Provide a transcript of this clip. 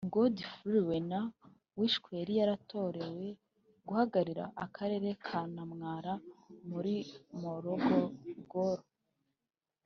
Godfrey Luena wishwe yari yaratorewe guhagararira Akarere ka Namwawala muri Morogoro